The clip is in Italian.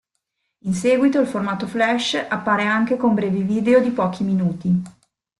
In seguito il formato Flash appare anche con brevi video di pochi minuti.